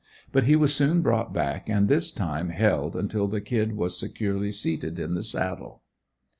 But he was soon brought back, and this time held until the "Kid" was securely seated in the saddle.